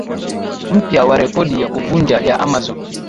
mpya wa rekodi ya kuvunja ya Amazon